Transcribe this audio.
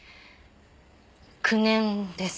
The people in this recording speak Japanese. ９年です。